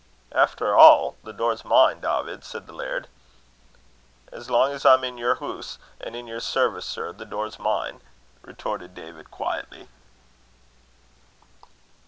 "Efter a', the door's mine, Dawvid," said the laird. "As lang's I'm in your hoose an' in your service, sir, the door's mine," retorted David, quietly.